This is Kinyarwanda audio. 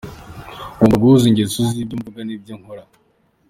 Ngomba guhuza ingeso z’ibyo mvuga n’ibyo nkora.